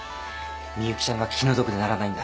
ミユキちゃんが気の毒でならないんだ。